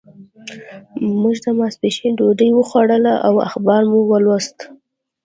موږ ماسپښین ډوډۍ وخوړه او اخبار مو ولوست.